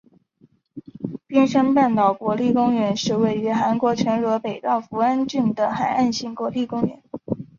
边山半岛国立公园是位于韩国全罗北道扶安郡的海岸型国立公园。